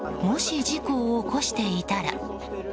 もし事故を起こしていたら。